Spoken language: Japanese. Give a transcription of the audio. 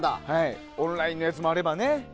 オンラインのやつもあればね。